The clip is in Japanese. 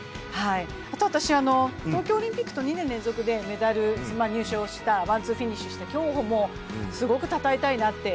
あと私、東京オリンピックと２年連続でメダル獲得したワン・ツーフィニッシュした競歩もすごくたたえたいなって。